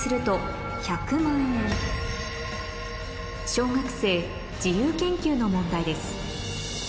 小学生自由研究の問題です